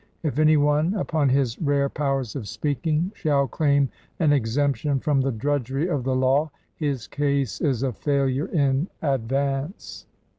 If any one, upon his rare powers of speak ing, shall claim an exemption from the drudgery of the law, his case is a failure in advance."